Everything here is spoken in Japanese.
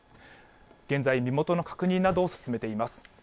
現在、身元の確認などを進めています。